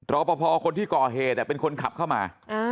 รอปภคนที่ก่อเหตุเป็นคนขับเข้ามา